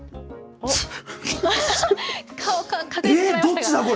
顔、隠れてしまいましたが。